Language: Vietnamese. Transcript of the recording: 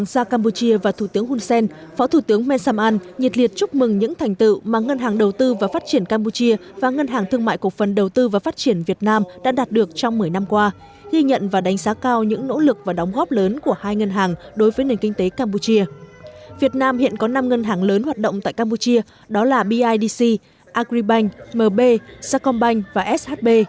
đến sự buổi lễ có phó thủ tướng campuchia men sam an đại sứ việt nam vũ quang minh